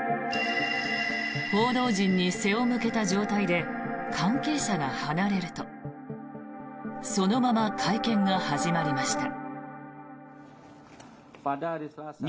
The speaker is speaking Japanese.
報道陣に背を向けた状態で関係者が離れるとそのまま会見が始まりました。